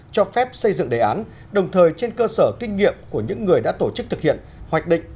cho phép xây dựng đề án đồng thời trên cơ sở kinh nghiệm của những người đã tổ chức thực hiện hoạch định